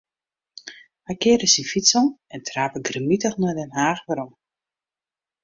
Hy kearde syn fyts om en trape grimmitich nei Den Haach werom.